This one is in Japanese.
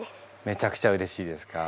めちゃくちゃうれしいですか。